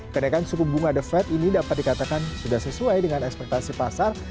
kenaikan suku bunga the fed ini dapat dikatakan sudah sesuai dengan ekspektasi pasar